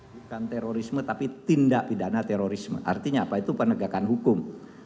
bukan terorisme tapi tindak pidana terorisme artinya apa itu penegakan hukum